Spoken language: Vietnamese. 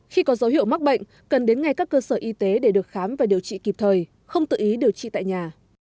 khi có dấu hiệu mắc bệnh cần đến ngay các cơ sở y tế để được khám và điều trị kịp thời không tự ý điều trị tại nhà